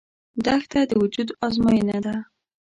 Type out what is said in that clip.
دښته د وجود ازموینه ده.